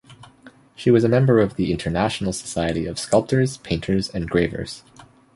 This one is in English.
She was a member of the International Society of Sculptors, Painters and Gravers.